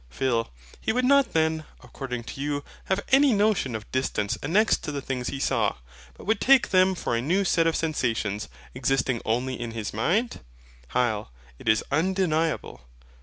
PHIL. He would not then, according to you, have any notion of distance annexed to the things he saw; but would take them for a new set of sensations, existing only in his mind? HYL. It is undeniable.